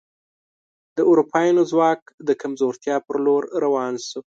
د اروپایانو ځواک د کمزورتیا په لور روان شو.